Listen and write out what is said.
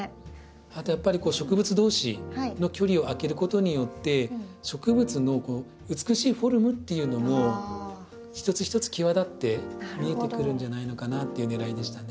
あとやっぱり植物同士の距離を空けることによって植物の美しいフォルムっていうのも一つ一つ際立って見えてくるんじゃないのかなっていうねらいでしたね。